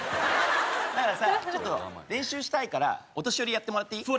だからさちょっと練習したいからお年寄りやってもらっていい？